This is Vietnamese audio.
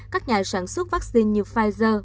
các nhà sản xuất vaccine như pfizer